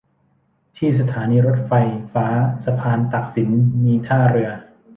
ที่สถานีรถไฟฟ้าสะพานตากสินมีท่าเรือ